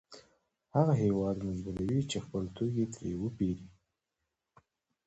هغه هېواد مجبوروي چې خپل توکي ترې وپېري